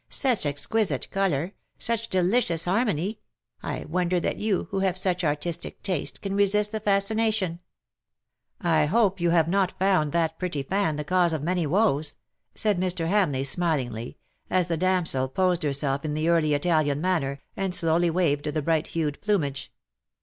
— such exquisite colour — such delicious harmony — I wonder that you, who have such artistic taste, can resist the fascination/^ " I hope you have not found that pretty fan the ^' WHO KNOWS NOT CIRCE ?" 263 cause of many woes T' said Mr. Hamleigli, smilingly, as the damsel posed herself in the early Italian manner,, and slowly waved the bright hued plumage.